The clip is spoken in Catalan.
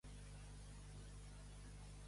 Estar fora de saber-ho.